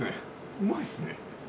うまいっすね。